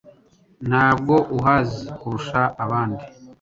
ntabwo ahuze kurusha abandi.